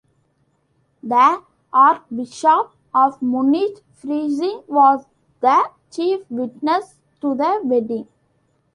The Archbishop of Munich-Freising was the chief witness to the wedding.